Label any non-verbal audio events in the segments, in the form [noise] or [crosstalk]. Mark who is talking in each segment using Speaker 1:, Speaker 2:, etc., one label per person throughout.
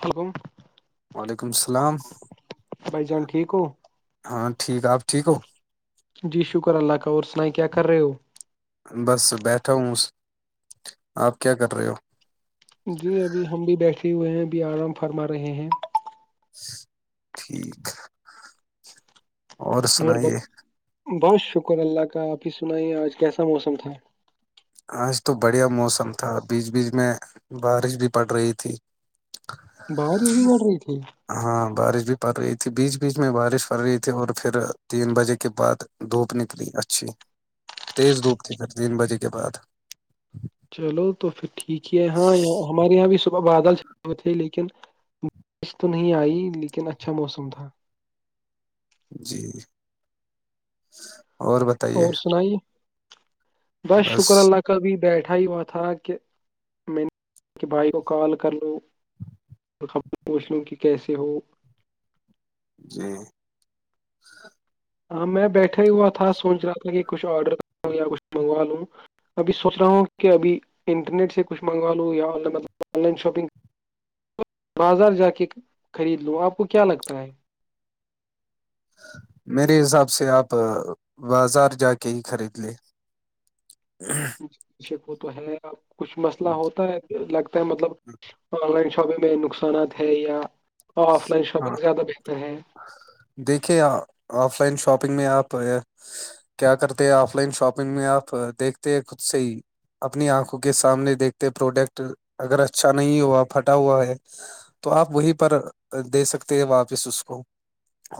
Speaker 1: ہلکم
Speaker 2: وعلیکم السلام
Speaker 1: بھائی جان ٹھیک ہو
Speaker 2: ہاں ٹھیک آپ ٹھیک ہو
Speaker 1: جی شکر اللہ کا اور سنائیں کیا کر رہے ہو
Speaker 2: بس بیٹھا ہوں اس آپ کیا کر رہے ہو
Speaker 1: جی ابھی ہم بھی بیٹھے ہوئے ہیں ابھی آرام فرما رہے ہیں
Speaker 2: ٹھیک اور
Speaker 1: مرب
Speaker 2: سنائیے
Speaker 1: بہت شکر اللہ کا آپ ہی سنائیے آج کیسا موسم تھا
Speaker 2: آج تو بڑھیا موسم تھا بیچ بیچ میں بارش بھی پڑ رہی تھی
Speaker 1: بارش بھی پڑ رہی تھی
Speaker 2: ہاں بارش بھی پڑ رہی تھی بیچ بیچ میں بارش پڑ رہی تھی اور پھر تین بجے کے بعد دھوپ نکلی اچھی تیز دھوپ تھی پھر تین بجے کے بعد
Speaker 1: چلو تو پھر ٹھیک ہے یہاں ہمارے یہاں بھی صبح بادل چے تھے لیکن بارش تو نہیں آئی لیکن اچھا موسم تھا
Speaker 2: جی اور ب
Speaker 1: اور سناائی بس شکر اللہ کبھی بیٹھا ہی ہوا تھا کہ میں نے بھائی کو کال کر لو اور خبر پوچھ لوں کہ کیسے ہو
Speaker 2: جی
Speaker 1: ہاں میں بیٹھا ہوا تھا سوچ رہا تھا کہ کچھ آرڈر کروں یا کچھ منگوا لوں ابھی سوچ رہا ہوں کہ ابھی انٹرنیٹ سےچھ منگوا لو یا مطلب آن لائن شاپنگ بازار جا کے خرید لو آپ کو کیا لگتا ہے
Speaker 2: میرے حساب سے آپ بازار جا کے ہی خرید لے ہ
Speaker 1: پیشے کو تو ہے کچھ مسئلہ ہوتا ہے لگتا ہے مطلب آن لائن شاپنگ میں نقصانات ہے یا اوراں آف لائن
Speaker 2: ہاں
Speaker 1: شاپنگ زیادہ بہتر ہے
Speaker 2: دیکھیے آف لائن شاپنگ میں آپ کیا کرتے ہیں آف لائن شاپنگ میں آپ دیکھتے ہیں خود سے ہی اپنی آنکھوں کے سامنے دیکھتے پروڈکٹ اگر اچھا نہیں ہوا پھٹا ہوا ہے تو آپ وہی پر دے سکتے ہیں واپس اس کو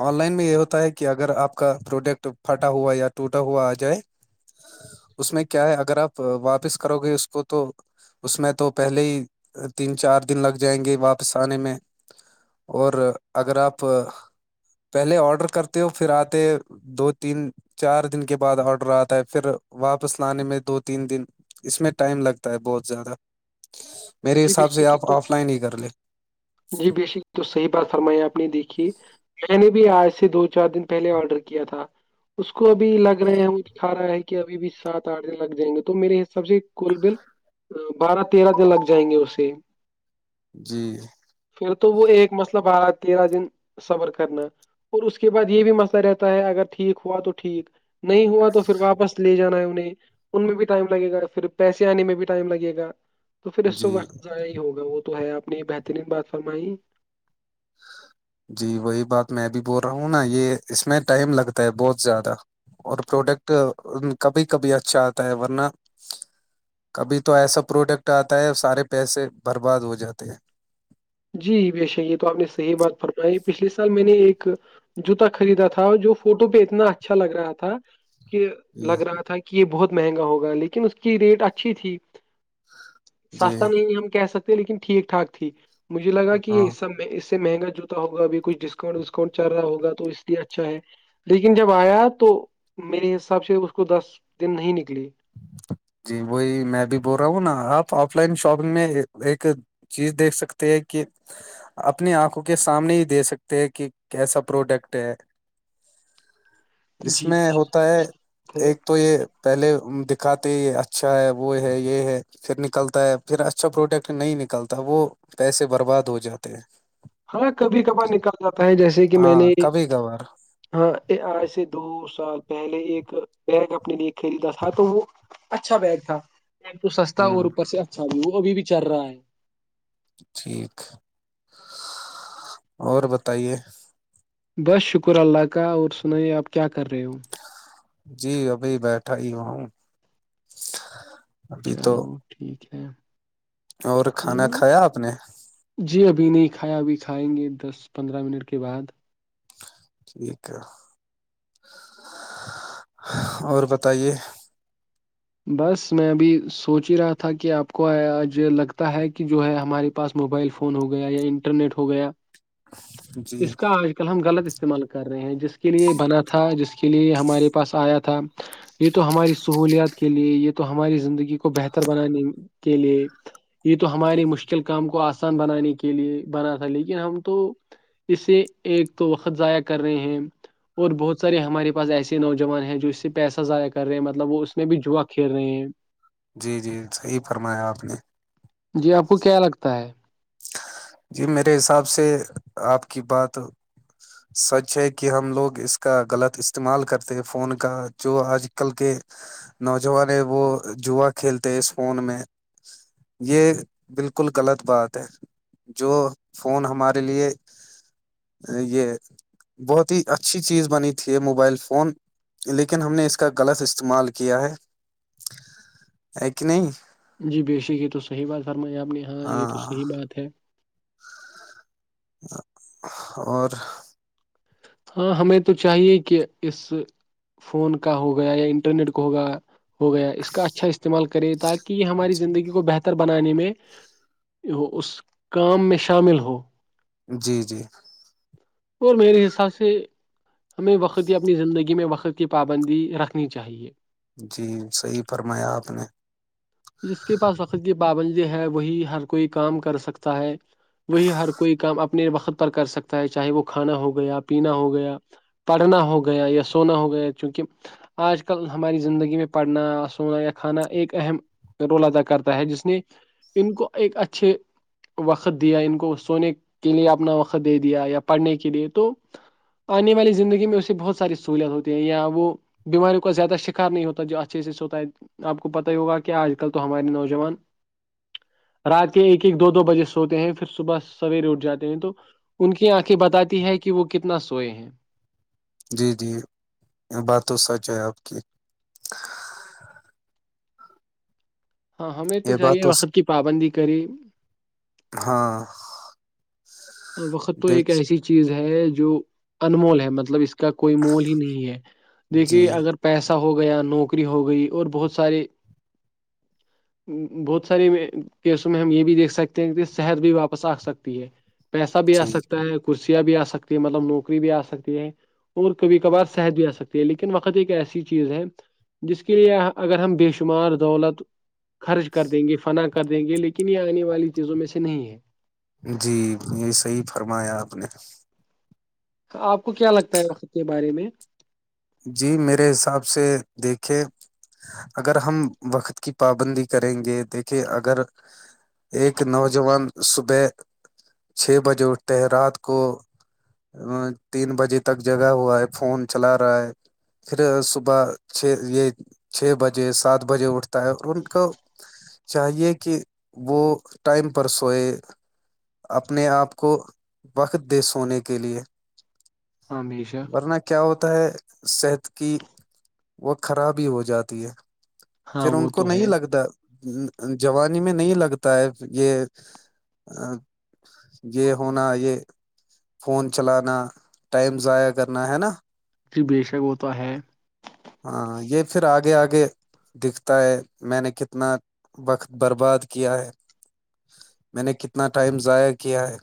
Speaker 2: آن لائن میں یہ ہوتا ہے کہ اگر آپ کا پروڈکٹ پھٹا ہوا یا ٹوٹا ہوا آ جائے
Speaker 1: [inaudible]
Speaker 2: اس میں کیا ہے اگر آپ واپس کرو گے اس کو تو اس میں تو پہلے ہی تین چار دن لگ جائیں گے واپس آنے میں اور اگر آپ پہلے آڈر کرتے ہو پھر آتے دو تین چار دن کے بعد آڈر آتا ہے پھر واپس لانے میں دو تین دن اس میں ٹائم لگتا ہے بہت زیادہ میرے
Speaker 1: جی بک
Speaker 2: حساب سے
Speaker 1: سک
Speaker 2: آپ
Speaker 1: تو
Speaker 2: آف لائن ہی کر لیں
Speaker 1: جی بے شک تو صحیح بات فرمائی آپ نے دیکھی میں نے بھی آج سے دو چار دن پہلے آڈر کیا تھا اس کو ابھی لگ رہے ہیں وہ دھا رہا ہے کہ ابھی بھی سات آٹھ دن لگ جائیں گے تو میرے حساب سے کول بل بارہ تیرہ دن لگ جائیں گے اسے
Speaker 2: جی
Speaker 1: پھر تو وہ ایک مسلب بارہ تیرہ دن سبر کرنا اور اس کے بعد یہ بھی مسئلہ رہتا ہے اگر ٹھیک ہوا تو ٹھیک نہیں ہوا تو پھر واپس لے جانا ہے انہیں ان میں بھی ٹائم لگے گا پھر پیسے آنے میں بھی ٹائم لگے گا تو پھر اس
Speaker 2: جی
Speaker 1: وقت ضائع ہی ہوگا وہ تو ہے آپ نے یہ بہترین بات فرمائی
Speaker 2: جی وہی بات میں بھی بول رہا ہوں نا یہ اس میں ٹائم لگتا ہے بہت زیادہ اور پروڈکٹ کبھی کبھی اچھا آتا ہے ورنہ کبھی تو ایسا پروڈکٹ آتا ہے سارے پیسے برباد ہو جاتے ہیں
Speaker 1: جی بشا یہ تو آپ نے صحیح بات فرمائی پچھلے سال میں نے ایک جوتا خریدا تھا جو فوٹو پہ اتنا اچھا لگ رہا تھا کہ
Speaker 2: جی
Speaker 1: لگ رہا تھا کہ یہ بہت مہنگا ہوگا لیکن اس کی ریٹ اچھی تھی
Speaker 2: جی
Speaker 1: سستا نہیں ہم کہہ سکتے لیکن ٹھیک ٹھاک تھی مجھے لگا کہ
Speaker 2: ہاں
Speaker 1: یہ سب اس سے مہنگا جو ہوگا اب کچھ ڈسکاؤنٹ وسکانٹ چل رہا ہوگ تو اس لیے اچھا ہے لیکن جب آیا تو میرے حساب سے اس کو دس دن نہیں نکلی
Speaker 2: جی وہی میں بھی بول رہا ہوں نا آپ آف لائن شاپنگ میں ایک چیز دیکھ سکتے ہیں کہ اپنی آنکھوں کے سامنے ہی دے سکتے ہیں کہ کیسا پروڈکٹ ہے
Speaker 1: [inaudible]
Speaker 2: اس میں ہوتا ہے ایک تو یہ پہلے دکھاتے ہی اچھا ہے وہ ہے یہ ہے پھر نکلتا ہے پھر اچھا پروڈکٹ نہیں نکلتا وہ پیسے برباد ہو جاتے ہیں
Speaker 1: ہاں کبھی کبار نکل جاتا ہے جیسے کہ میں
Speaker 2: ہاں
Speaker 1: نے
Speaker 2: کبھی کبھار
Speaker 1: ہاں آج سے دو سال پہلے ایک بیگ اپنے لیے خریدا تھا تو وہ اچھا بیگ تھا بیگ تو سستا اور
Speaker 2: ہوں
Speaker 1: اوپر سے اچھا بھی وہ ابھی بھی چل رہا ہے
Speaker 2: ٹھیک اور بتائیے
Speaker 1: بس شکر اللہ کا اور سنائیے آپ کیا کر رہے ہو
Speaker 2: جی ابھی بیٹھا ہی ہوں ابھی تو
Speaker 1: چلو ٹھیک ہے
Speaker 2: اور کھانا
Speaker 1: ہوں،
Speaker 2: کھایا آپ نے
Speaker 1: جی ابھی نہیں کھایا ابھی کھائیں گے دس پندرہ منٹ کے بعد
Speaker 2: ٹھیک ہے اور بتائیے
Speaker 1: بس میں ابھی سوچ ہی رہا تھا کہ آپ کو آج لگتا ہے کہ جو ہے ہمارے پاس موبائل فون ہو گیا یا انٹرنیٹ ہو گیا
Speaker 2: جی
Speaker 1: اس کا آج کل کل ہم غلط استعمال کر رہے ہیں جس کے لیے بنا تھا جس کے لیے ہمارے پاس آیا تھا یہ تو ہماری سہولیات کے لیے یہ تو ہماری زندگی کو بہتر بنانے کے لیے یہ تو ہمارے مشکل کام کو آسان بنانے کے لیے بنا تھا لیکن ہم تو اسے ایک تو وقت ضائع کر رہے ہیں اور بہت سارے ہمارے پاس ایسے نوجوان ہیں جو اس سے پیسہ ضائع کر رہے مطلب وہ اس میں بھی جوا کھیل رہے ہیں
Speaker 2: جی جی صحیح فرمایا آپ نے
Speaker 1: جی آپ کو کیا لگتا ہے
Speaker 2: جی میرے حساب سے آپ کی بات سچ ہے کہ ہم لوگ اس کا غلط استعمال کرتے ہیں فون کا جو آج کل کے نوجوان ہے وہ جوا کھیلتے ہیں اس فون میں یہ بالکل غلط بات ہے جو فون ہمارے لیے یہ بہت ہی اچھی چیز بنی تھی یہ موبائل فون لیکن ہم نے اس کا غلط استعمال کیا ہے
Speaker 1: [unintelligible]
Speaker 2: ایک کہ نہیں [unintelligible]
Speaker 1: جی بےشک یہ تو صحیح بات فرمائی آپ نے یہاں یہ تو
Speaker 2: ہاں
Speaker 1: صحیح بات ہے
Speaker 2: اور
Speaker 1: ہاں ہمیں تو چاہیے کہ اس فون کا ہو گیا یا انٹرنیٹ کو ہوگا ہو گیا اس کا اچھا استعمال کرے تاکہ یہ ہماری زندگی کو بہتر بنانے میں اس کام میں شامل ہو
Speaker 2: جی جی
Speaker 1: اور میرے حساب سے ہمیں وقت اپنی زندگی میں وقت کی پابندی رکھنی چاہیے
Speaker 2: جی صحی فرمایا آپ نے
Speaker 1: جس کے پاس وقت کی پابندی ہے وہی ہر کوئی کام کر سکتا ہے وہی ہر کوئی کام اپنے وقت پر کر سکتا ہے چاہے وہ کھانا ہو گیا پینا ہو گیا پڑھنا ہو گیا یا سونا ہو گیا چونکہ آج کل ہماری زندگی میں پڑھنا سونا یا کھانا ایک اہم رول ادا کرتا ہے جس نے ان کو ایک اچھے [unintelligible] وقت دیا ان کو سونے کے لیے اپنا وقت دے دیا یا پڑھنے کے لیے تو آنے والی زندگی میں اسے بہت ساری سہوولت ہوتی ہے یا وہ بیماریوں کا زیادہ شکار نہیں ہوتا جو اچھیز سے سے ہوتا ہے آپ کو پتتا ہی ہوگا [unintelligible] کیا آج کل تو ہمارے نوجوان رات کے ایک ایک دو دو بجے سوتے ہیں پھر صبح سویرے اٹھ جاتے ہیں تو ان کی آنکھیں بتاتی ہے کہ وہ کتنا سوئے ہیں
Speaker 2: جی جی بات تو سچ ہے آپ کی
Speaker 1: ہاں ہمیں تو
Speaker 2: یہ بات
Speaker 1: چاہیے
Speaker 2: س-
Speaker 1: وقت کی پابندی کری
Speaker 2: ہاں
Speaker 1: وقت تو ایک
Speaker 2: دیکھ
Speaker 1: ایسی چیز ہے جو انمول ہے مطلب اس کا کوئی مول ہی نہیں ہے
Speaker 2: جی
Speaker 1: دیکھیے اگر پیسہ ہو گیا نوکری ہو گئی اور بہت سارے بہت ساریے کیسوں میں ہم یہ بھی دیکھ سکتے ہیں کہ صحت بھی واپس آ سکتی ہے پیسہ بھی آ
Speaker 2: جی
Speaker 1: سکتا ہے کرسیاں بھی آ سکتی ہے مطلب نوکری بھی آ سکتی ہے اور کبھی کبھار صحت بھی آ سکتی ہے لیکن وقت ایک ایسی چیز ہے جس کے لیے اگر ہم بے شمار دولت خرچ کر دیں گے فنا کر دیں گے لیکن یہ آنے والی چیزوں میں سے نہیں ہے
Speaker 2: جی یہ صحی فرمایا آپ نے
Speaker 1: آپ کو کیا لگتا ہے وقت کے بارے میں
Speaker 2: جی میرے حساب سے دیکھے اگر ہم وقت کی پابندی کریں گے دیکھے اگر ایک نوجوان صبح چھ بجے اٹھتے ہے رات کو تین بجے تک جگا ہوا ہے فون چلا رہا ہے پھر صبح چھ یہ چھ بجے سات بجے اٹھتا ہے اور ان کو چاہیے کہ وہ ٹائم پر سوئے اپنے آپ کو وقت دے سونے کے لیے
Speaker 1: ہاں ہمیشہ
Speaker 2: ورنہ کیا ہوتا ہے صحت کی وہ خراب ہی ہو جاتی ہے
Speaker 1: ہاں
Speaker 2: پھر ان
Speaker 1: وہ
Speaker 2: کو
Speaker 1: تو
Speaker 2: نہیں
Speaker 1: ہے
Speaker 2: لگتا جوانی میں نہیں لگتا ہے یہ یہ ہونا یہ فون چلانا ٹائم ضائع کرنا ہے نا
Speaker 1: ج بےشک وہتا ہے
Speaker 2: ہاں یہ پھر آگے آگے دکھتا ہے میں نے کتنا وقت برباد کیا ہے میں نے کتنا ٹائم ضائع کیا ہے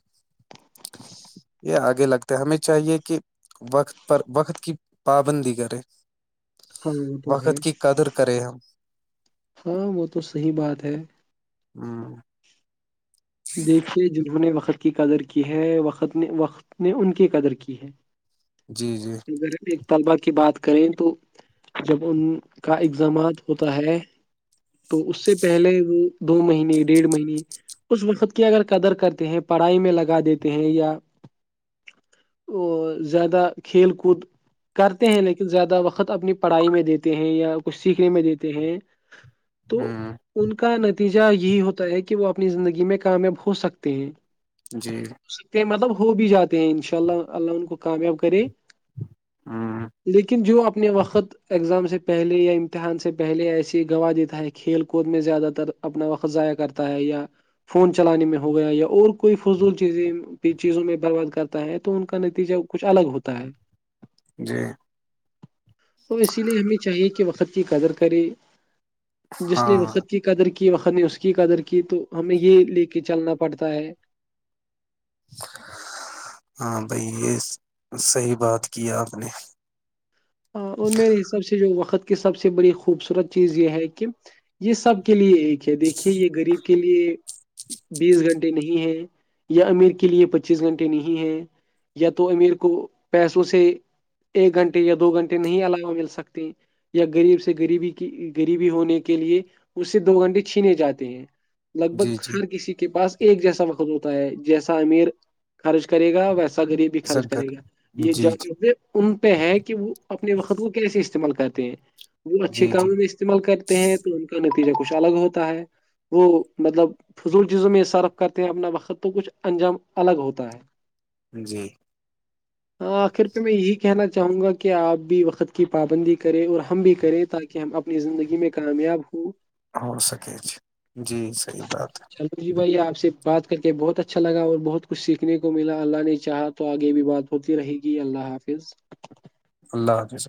Speaker 2: یہ آگے لگتا ہے ہمیں چاہیے کہ وقت پر وقت کی پابندی کرے
Speaker 1: ہاں وہ تو ہے
Speaker 2: وقت کی قدر کرے ہم
Speaker 1: ہاں وہ تو صحی بات ہے
Speaker 2: ہاں
Speaker 1: دیکھیے جنہوں نے وقت کی قدر کی ہے وقت نے وقت نے ان کی قدر کی ہے
Speaker 2: جی جی
Speaker 1: اگر طلبا کی بات کریں تو جب ان کا اگزامات ہوتا ہے تو اس سے پہلے وہ دو مہینے ڈیھ مہینے اس وقت کی اگر قدر کرتے ہیں پڑھائی میں لگا دیتے ہیں یا اور زیادہ کھیل کود کرتے ہیں لیکن زیادہ وقت اپنی پڑھائی میں دیتے ہیں یا کچھ سیکھنے میں دیتے ہیں تو
Speaker 2: ہ
Speaker 1: ان کا نتیجہ یہی ہوتا ہے کہ وہ اپنی زندگی میں کامیاب ہو سکتے ہیں
Speaker 2: جی
Speaker 1: ہو سکتے ہیں مطلب ہو بھی جاتے ہیں ان شاء اللہ اللہ ان کو کامیاب کرے
Speaker 2: ہاں
Speaker 1: لیکن جو اپنے وقت ایگزام سے پہلے یا امتحان سے پہلے ایسی گواہ دیتا ہے کھیل کود میں زیادہ تر اپنا وقت ضائع کرتا ہے یا فون چلانے میں ہو گیا یا اور کوئی فضول چیزیں چیزوں میں برباد کرتا ہے تو ان کا نتیجہ کچھ الگ ہوتا ہے
Speaker 2: جی
Speaker 1: تو اسی لیے ہمیں چاہیے کہ وقت کی قدر کرے جس نےے
Speaker 2: ہاں
Speaker 1: وقت کی قدر کی وقت نے اس کی قدر کی تو ہمیں یہ لے کے چلنا پڑتا ہے
Speaker 2: ہاں بائی یہ صحی بات کی آپ نے
Speaker 1: اور میرے حساب سے جو وقت کی سب سے بڑی خوبصورت چیز یہ ہے کہ یہ سب کے لیے ایک ہے دیکھیے یہ غریب کے لیے بیس گھنٹے نہیں ہے یا امیر کے لیے پچیس گھنٹے نہیں ہے یا تو امیر کو پیسوں سے ایک گھنٹے یا تو گھنٹے نہیں علاوہ مل سکتے ہیں یا غریب سے غریبی کی غریبی ہونے کے لیے اس سے دو گھنٹے چھینے جاتے ہیں لگ بھگ
Speaker 2: جی جی
Speaker 1: ہر کسی کے پاس ایک جیسا وقت ہوتا ہے جیسا امیر خرچ کرے گا ویسا غریب خرچ
Speaker 2: زنکر
Speaker 1: کرے گا یہ ج
Speaker 2: جی جی
Speaker 1: ان پہ ہے کہ وہ اپنے وقت کو کیسے استعمال کرتے ہیں وہ اچھے
Speaker 2: جی جی
Speaker 1: کاموں میں استعمال کرتے ہیں تو ان کا نتیجہ کچھ الگ ہوتا ہے وہ مطلب فضول چیزوں میں صرف کرتے ہیں اپنا وقت تو کچھ انجام الگ ہوتا ہے
Speaker 2: جی
Speaker 1: ہاں آخر پہ میں یہی کہنا چاہوں گا کہ کہ آپ بھی وقت کی پابندی کریں اور ہم بھی کریں تاکہ ہم اپنی زندگی میں کامیاب ہو
Speaker 2: ہو سکے جی صحیح بات ہے
Speaker 1: چلو جی بھائی آپ سے بات کر کے بہت اچھا لگا اور بہت کچھ سیکھنے کو ملا اللہ نے چاہا تو آگے بھی بات ہوتی رہے گی اللہ حافظ
Speaker 2: اللہ حافظ